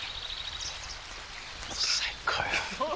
最高よ。